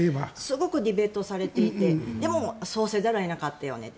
すごくディベートされていてでもそうせざるを得なかったよねと。